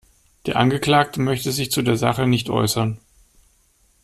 Der Angeklagte möchte sich zu der Sache nicht äußern.